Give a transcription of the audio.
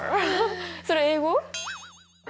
それ英語？